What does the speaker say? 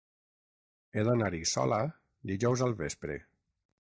He d'anar-hi sola dijous al vespre.